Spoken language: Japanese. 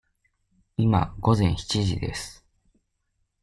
今、午前七時です。